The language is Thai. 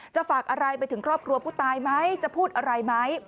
ฝากอะไรไปถึงครอบครัวผู้ตายไหมจะพูดอะไรไหม